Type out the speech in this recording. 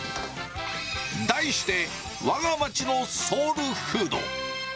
題して、わが町のソウルフード。